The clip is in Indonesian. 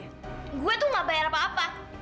saya tidak akan bayar apa apa